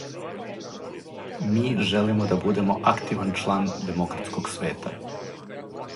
Ми желимо да будемо активан члан демократског света.